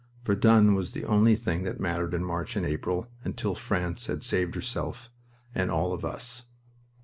Verdun was the only thing that mattered in March and April until France had saved herself and all of us.